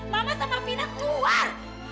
mama sama fina keluar